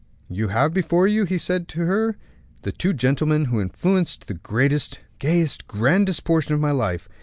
"You have before you," he said to her, "the two gentlemen who influenced the greatest, gayest, grandest portion of my life.